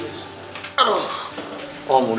terima kasih justru